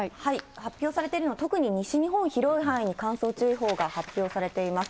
発表されているのは特に西日本、広い範囲に乾燥注意報が発表されています。